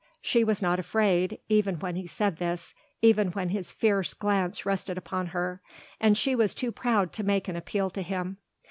She was not afraid, even when he said this, even when his fierce glance rested upon her, and she was too proud to make an appeal to him.